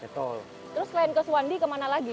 betul terus selain ke suwandi kemana lagi